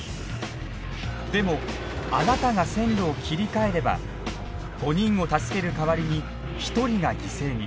でもあなたが線路を切り替えれば５人を助ける代わりに１人が犠牲に。